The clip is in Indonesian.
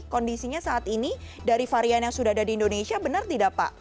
kondisinya saat ini dari varian yang sudah ada di indonesia benar tidak pak